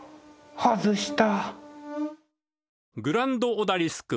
外した。